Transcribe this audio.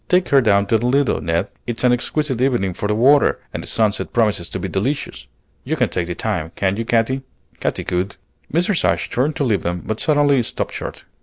Take her down to the Lido, Ned. It's an exquisite evening for the water, and the sunset promises to be delicious. You can take the time, can't you, Katy?" Katy could. Mrs. Ashe turned to leave them, but suddenly stopped short.